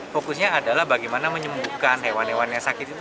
fokusnya adalah bagaimana menyembuhkan hewan hewan yang sakit itu